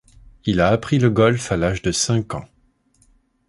Il a appris le golf à l'âge de cinq ans.